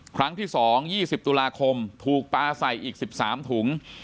ครั้งที่สองยี่สิบตุลาคมถูกปาใส่อีกสิบสามถุง